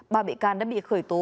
ba bị can đã bị khởi tố